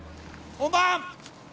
・本番！